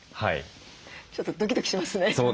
ちょっとドキドキしますね。